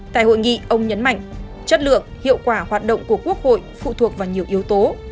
tại hội nghị ông nhấn mạnh chất lượng hiệu quả hoạt động của quốc hội phụ thuộc vào nhiều yếu tố